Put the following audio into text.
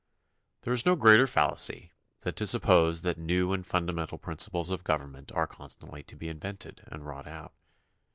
There is no greater fallacy than to suppose that new and fundamental principles of government are con stantly to be invented and wrought out.